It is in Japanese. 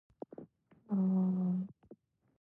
あー。